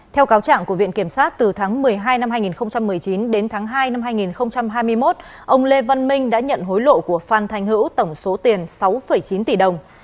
theo cáo trạng của viện kiểm sát từ tháng một mươi hai năm hai nghìn một mươi chín đến tháng hai năm hai nghìn hai mươi một ông lê văn minh đã nhận hối lộ của phan thanh hữu tổng số tiền sáu chín tỷ đồng